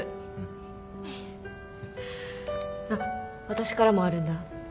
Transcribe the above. あっ私からもあるんだ。